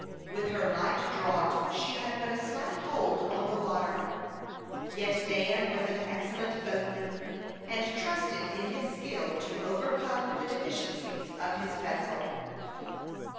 With her light draught she had but a slight hold on the water; yet Dan was an excellent boatman, and trusted in his skill to overcome the deficiencies of his vessel.